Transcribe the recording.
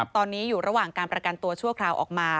ตอนนี้อยู่ระหว่างการประกันตัวชั่วคราวออกมา